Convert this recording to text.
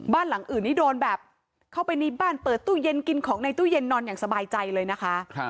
บ้านหลังอื่นนี้โดนแบบเข้าไปในบ้านเปิดตู้เย็นกินของในตู้เย็นนอนอย่างสบายใจเลยนะคะ